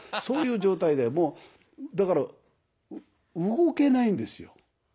そういう状態でもうだから動けないんですよ。